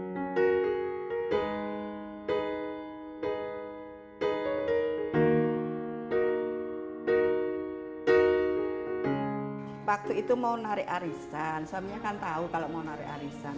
pertama kali saya mencari arisan suaminya sudah tahu kalau mau mencari arisan